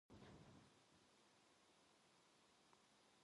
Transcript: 이놈, 오라질 놈, 왜 술을 붓지 않아